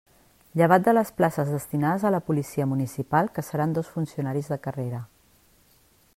Llevat de les places destinades a la Policia Municipal que seran dos funcionaris de carrera.